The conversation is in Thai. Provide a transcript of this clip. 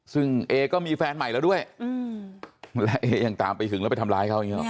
ซึ่งเอก็มีแฟนใหม่แล้วด้วยและเอยังตามไปหึงแล้วไปทำร้ายเขาอย่างนี้หรอ